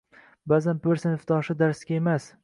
Ba'zan bir sinfdoshi darsga emas